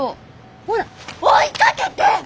ほら追いかけて！